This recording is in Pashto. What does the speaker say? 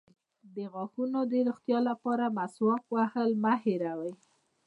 د غاښونو د روغتیا لپاره مسواک وهل مه هیروئ